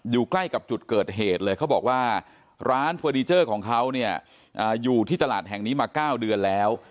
ใกล้กับจุดเกิดเหตุเลยเขาบอกว่าร้านเฟอร์นิเจอร์ของเขาเนี่ยอยู่ที่ตลาดแห่งนี้มา๙เดือนแล้ว